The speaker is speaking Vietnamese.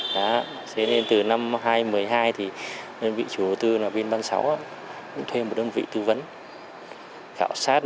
thế nên từ năm hai nghìn một mươi hai thì huyện bị chủ đầu tư là viên băng sáu thuê một đơn vị tư vấn khảo sát